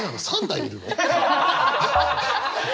３台いるの？